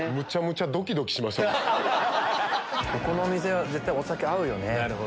ここの店は絶対お酒合うよね。